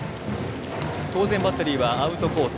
当然、バッテリーはアウトコース